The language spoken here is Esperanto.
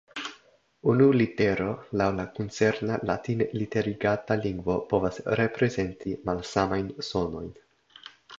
Unu litero laŭ la koncerna latinliterigata lingvo povas reprezenti malsamajn sonojn.